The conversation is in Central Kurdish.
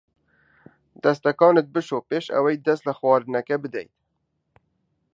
دەستەکانت بشۆ پێش ئەوەی دەست لە خواردنەکە بدەیت.